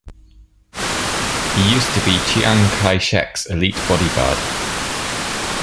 He used to be Chiang Kai-shek's elite bodyguard.